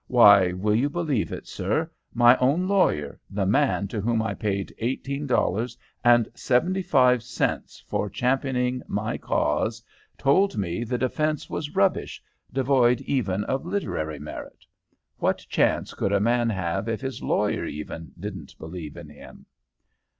Why, will you believe it, sir, my own lawyer, the man to whom I paid eighteen dollars and seventy five cents for championing my cause, told me the defence was rubbish, devoid even of literary merit. What chance could a man have if his lawyer even didn't believe in him?"